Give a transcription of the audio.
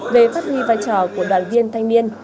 về phát huy vai trò của đoàn viên thanh niên